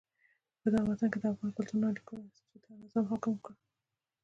پدغه وطن کې د افغان کلتور نا لیکلو اساساتو نظم حاکم کړی.